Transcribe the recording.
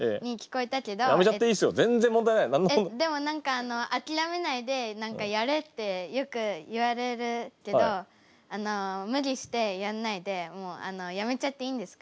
えっでも何か「諦めないでやれ」ってよく言われるけど無理してやんないでもうやめちゃっていいんですか？